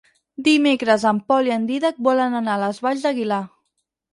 Dimecres en Pol i en Dídac volen anar a les Valls d'Aguilar.